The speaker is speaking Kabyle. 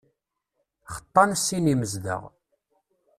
Xeṭṭan sin imezdaɣ.